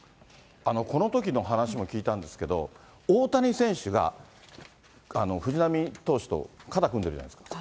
このときの話も聞いたんですけど、大谷選手が藤浪投手と肩組んでるじゃないですか。